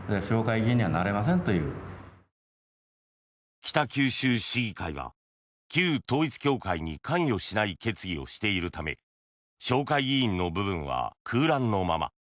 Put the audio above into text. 北九州市議会は旧統一教会に関与しない決議をしているため紹介議員の部分は空欄のまま。